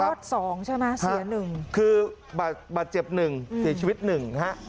อดสองใช่ไหมเสียหนึ่งคือบาดเจ็บหนึ่งเสียชีวิตหนึ่งฮะ